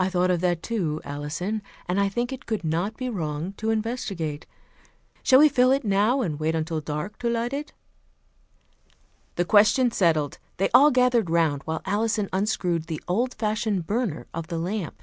"I thought of that, too, Alison, and I think it could not be wrong to investigate. Shall we fill it now, and wait until dark to light it?" The question settled, they all gathered round while Alison unscrewed the old fashioned burner of the lamp.